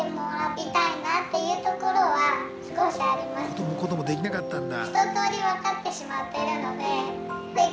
子ども子どもできなかったんだ。